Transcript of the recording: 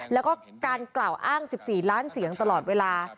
แล้วก็การกล่าวอ้าง๑๔ล้านเสียงตลอดเวลา